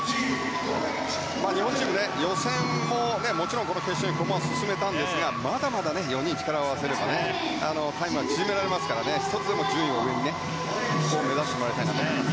日本チーム決勝に駒を進めたんですがまだまだ４人力を合わせればタイムは縮められますから１つでも順位上を目指してもらいたいですね。